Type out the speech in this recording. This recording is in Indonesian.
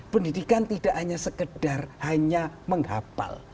pendidikan tidak hanya sekedar hanya menghapal